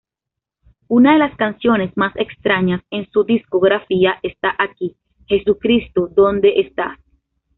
Una de las canciones más extrañas en su discografía está aquí, "Jesucristo ¿dónde estás?